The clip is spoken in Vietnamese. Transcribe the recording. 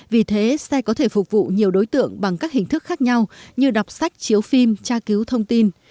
vì thế xe có thể phục vụ nhiều đối tượng bằng các hình thức khác nhau như đọc sách chiếu phim tra cứu thông tin